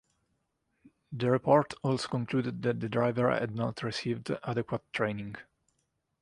The report also concluded that the driver had not received adequate training.